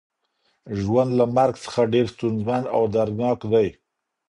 ژوند له مرګ څخه ډیر ستونزمن او دردناک دی.